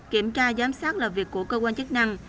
kiểm tra giám sát là việc của cơ quan chức năng